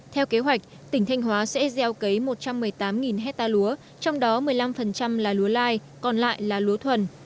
theo kế hoạch tỉnh thanh hóa sẽ gieo cấy một trăm một mươi tám hectare lúa trong đó một mươi năm là lúa lai còn lại là lúa thuần